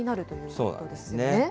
そうなんですね。